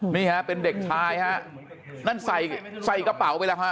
นี่ฮะเป็นเด็กชายฮะนั่นใส่ใส่กระเป๋าไปแล้วฮะ